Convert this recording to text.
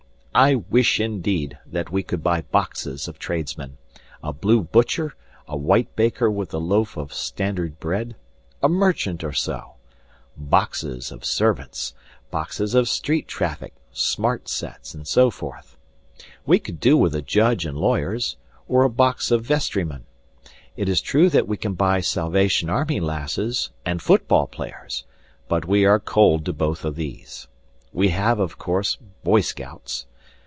I wish, indeed, that we could buy boxes of tradesmen: a blue butcher, a white baker with a loaf of standard bread, a merchant or so; boxes of servants, boxes of street traffic, smart sets, and so forth. We could do with a judge and lawyers, or a box of vestrymen. It is true that we can buy Salvation Army lasses and football players, but we are cold to both of these. We have, of course, boy scouts.